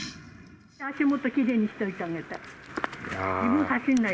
足元きれいにしておいてあげたい。